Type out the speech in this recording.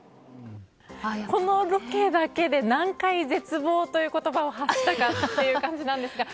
このロケだけで何回絶望という言葉を発したかっていう感じなんですが。